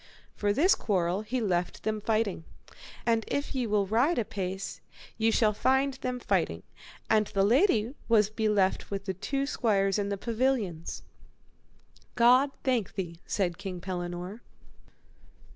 For this quarrel he left them fighting. And if ye will ride a pace ye shall find them fighting, and the lady was beleft with the two squires in the pavilions. God thank thee, said King Pellinore.